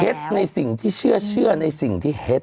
ในสิ่งที่เชื่อในสิ่งที่เฮ็ด